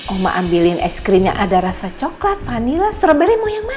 oma ambilin es krim yang ada rasa cokelat vanila setelah beli mau yang mana